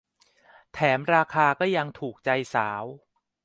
แถมราคาก็ยังถูกใจสาว